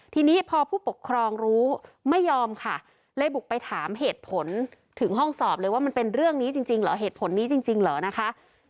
ทีนี้พอผู้ปกครองรู้ไม่ยอมค่ะเลยบุกไปถามเหตุผลถึงห้องสอบเลยว่ามันเป็นเรื่องนี้จริงเหรอเหตุผลนี้จริงเหรอนะคะ